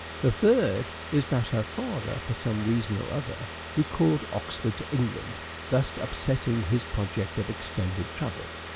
The third is that her father, for some reason or other, recalled Oxford to England, thus upsetting his project of extended travel.